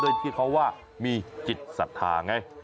ด้วยที่เขาว่ามีจิตศัตริย์ภาคไง